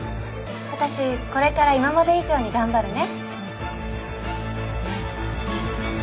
私これから今まで以上に頑張るね。